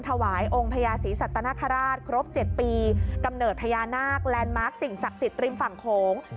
ถวายองค์พญาศรีสัตนคราชครบ๗ปีกำเนิดพญานาคแลนด์มาร์คสิ่งศักดิ์สิทธิ์ริมฝั่งโขง